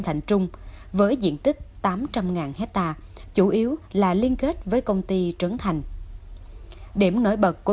thành trung với diện tích tám trăm linh hectare chủ yếu là liên kết với công ty trấn thành điểm nổi bật của